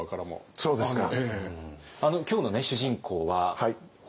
そうですね。